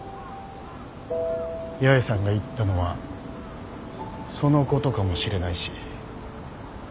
八重さんが言ったのはそのことかもしれないし。